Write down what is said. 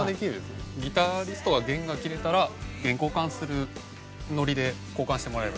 ギターですと弦が切れたら弦を交換するノリで交換してもらえれば。